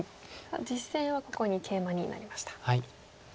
実戦はここにケイマになりました。